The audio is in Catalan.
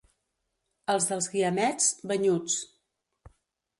Els dels Guiamets, banyuts.